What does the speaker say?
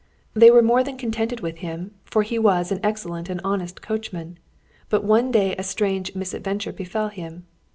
They were more than contented with him, for he was an excellent and honest coachman. But one day a strange misadventure befell him.